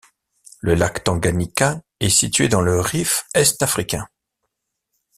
Le lac Tanganyika est situé dans le rift Est-Africain.